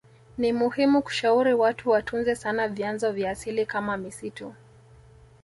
Nimuhimu kushauri watu watunze sana vyanzo vya asili kama misitu